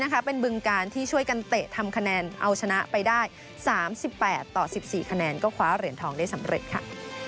แต่ที่จังหวัดเชียงรายนะคะ